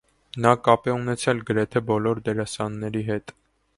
Նա կապ է ունեցել գրեթե բոլոր դերասանների հետ։